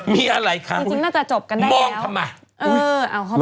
มีอะไรคะมองเข้ามา